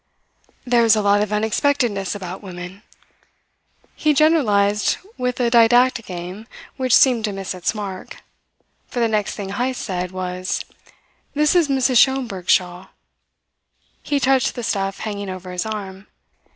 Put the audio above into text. "There's a lot of unexpectedness about women," he generalized with a didactic aim which seemed to miss its mark; for the next thing Heyst said was: "This is Mrs. Schomberg's shawl." He touched the stuff hanging over his arm.